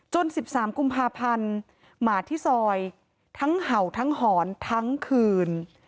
๑๓กุมภาพันธ์หมาที่ซอยทั้งเห่าทั้งหอนทั้งคืน